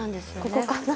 ここかな？